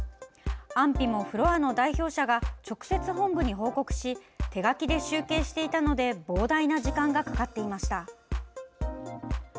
安否もフロアの代表者が直接本部に報告し手書きで集計していたので膨大な時間がかかっていました。